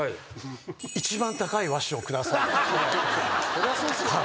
そりゃそうですよね。